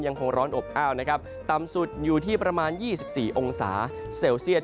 ยังคงร้อนอบอ้าวนะครับต่ำสุดอยู่ที่ประมาณ๒๔องศาเซลเซียต